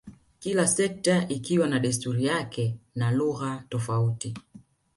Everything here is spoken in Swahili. kila sekta ikiwa na desturi yake na lugha tofauti